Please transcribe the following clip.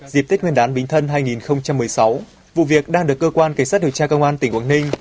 dịp tết nguyên đán bình thân hai nghìn một mươi sáu vụ việc đang được cơ quan cảnh sát điều tra công an tỉnh quảng ninh